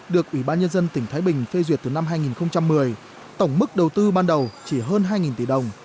được ủy ban nhân dân tỉnh thái bình phê duyệt từ năm hai nghìn một mươi tổng mức đầu tư ban đầu chỉ hơn hai tỷ đồng